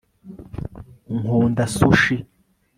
nkunda sushi